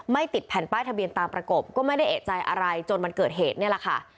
ติดแผ่นป้ายทะเบียนตามประกบก็ไม่ได้เอกใจอะไรจนวันเกิดเหตุนี่แหละค่ะ